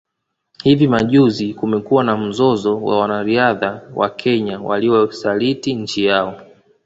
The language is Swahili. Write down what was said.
Hivi majuzi kumekuwa na mzozo wa wanariadha wa Kenya waliosaliti nchi yao